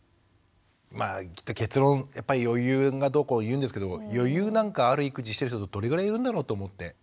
まあきっと結論やっぱり余裕がどうこういうんですけど余裕なんかある育児してる人ってどれぐらいいるんだろうと思って。